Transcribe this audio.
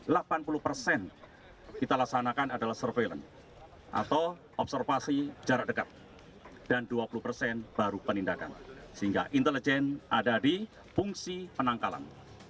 dan dua puluh persen baru penindakan sehingga intelijen ada di fungsi penangkalan